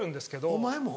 お前も？